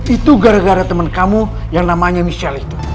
itu gara gara teman kamu yang namanya michelle itu